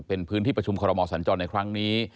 เป็นพื้นที่ประชุมคอรมอสัญจรในครั้งนี้